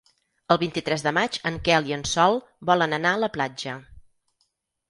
El vint-i-tres de maig en Quel i en Sol volen anar a la platja.